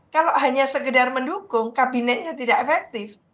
kalau hanya sekedar mendukung kabinetnya tidak efektif